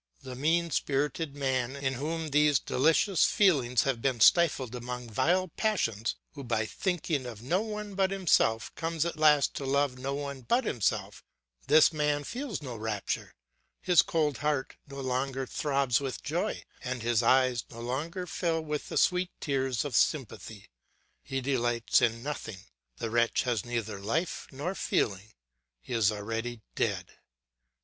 The mean spirited man in whom these delicious feelings have been stifled among vile passions, who by thinking of no one but himself comes at last to love no one but himself, this man feels no raptures, his cold heart no longer throbs with joy, and his eyes no longer fill with the sweet tears of sympathy, he delights in nothing; the wretch has neither life nor feeling, he is already dead.